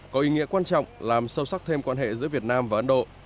có ý nghĩa quan trọng làm sâu sắc thêm quan hệ giữa việt nam và ấn độ